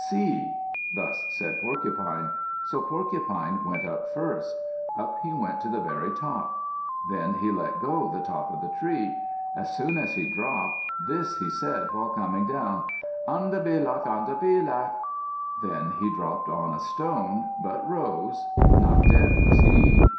See!" Thus said Porcupine. So Porcupine went up first. Up he went to the very top. Then he let go the top of the tree. As soon as he dropped, this he said, while coming down: "An de be laq! An de be laq!" Then he dropped on a stone, but arose. Not dead was he!